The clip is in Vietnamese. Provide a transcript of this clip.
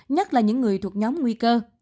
nhất là những người thuộc nhóm nguy cơ